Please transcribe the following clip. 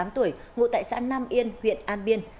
hai mươi tám tuổi ngụ tại xã nam yên huyện an biên